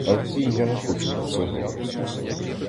А втім, я не хочу про це говорить.